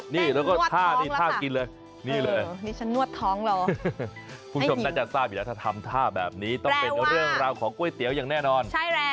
นั่งของก๋วยเตี๋ยวหรอ